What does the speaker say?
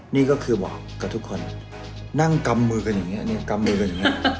นี่ก็คือบอกกับทุกคนนั่งกำมือกันอย่างเงี้ย